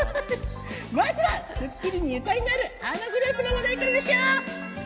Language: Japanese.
まずは『スッキリ』に縁がある、あのグループの話題からなっしー！